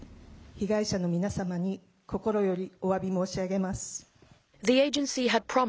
被害者の皆様に心よりおわび申し上げます。